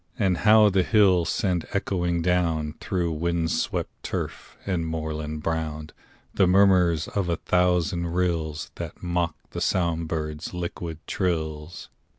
And how the hills send echoing down, Through wind swept turf and moorland brown, The murmurs of a thousand rills That mock the song birds' liquid trills!